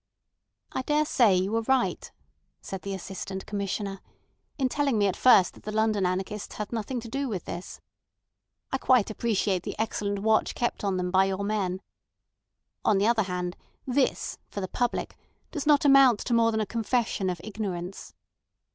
"I daresay you were right," said the Assistant Commissioner, "in telling me at first that the London anarchists had nothing to do with this. I quite appreciate the excellent watch kept on them by your men. On the other hand, this, for the public, does not amount to more than a confession of ignorance."